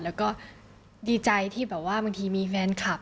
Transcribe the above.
และก็ดีใจที่บางทีมีแฟนคาร์